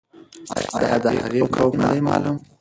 آیا د هغې قوم نه دی معلوم؟